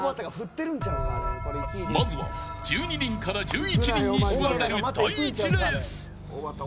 まずは１２人から１１人に絞られる第１レース。